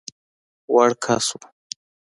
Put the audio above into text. وړ کس وو.